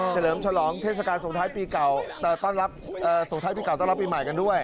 เลิมฉลองเทศกาลสงท้ายปีเก่าต้อนรับส่งท้ายปีเก่าต้อนรับปีใหม่กันด้วย